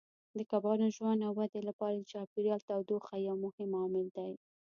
د کبانو د ژوند او ودې لپاره د چاپیریال تودوخه یو مهم عامل دی.